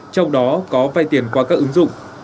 trong đó có vay tiền qua các ứng dụng